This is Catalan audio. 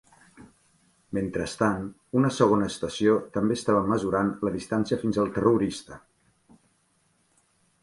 Mentrestant, una segona estació també estava mesurant la distància fins al terrorista.